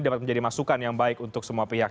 dapat menjadi masukan yang baik untuk semua pihak